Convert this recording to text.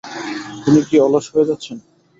তিনি কি অলস হয়ে যাচ্ছেন?